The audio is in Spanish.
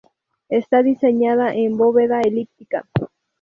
Está diseñada en bóveda elíptica.